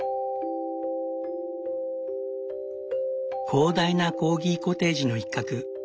広大なコーギコテージの一角。